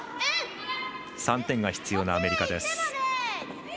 ３点が必要なアメリカです。